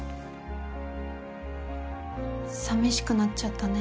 さみしくなっちゃったね。